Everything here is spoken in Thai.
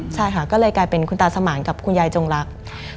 ใช่ค่ะก็เลยกลายเป็นคุณตาสมานกับคุณยายจงรัก